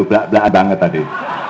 saya benar benar benar banget tadi